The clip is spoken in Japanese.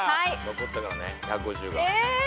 残ったからね１５０が。え！